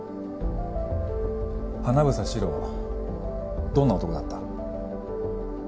英獅郎どんな男だった。